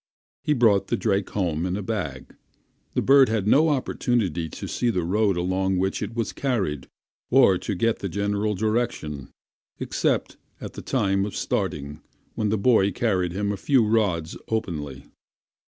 He brought the drake home in a bag. The bird had no opportunity to see the road along which it was carried, or to get the general direction, except at the time of starting, when the boy carried him a few rods openly.